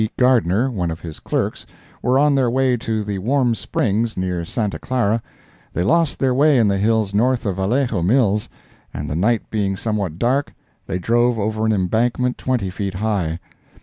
Gardner, one of his clerks, were on their way to the Warm Springs, near Santa Clara, they lost their way in the hills north of Vallejo Mills, and the night being somewhat dark, they drove over an embankment twenty feet high.